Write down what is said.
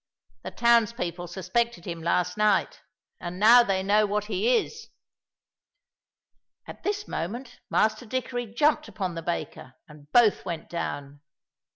The townspeople suspected him last night, and now they know what he is." At this moment Master Dickory jumped upon the baker, and both went down.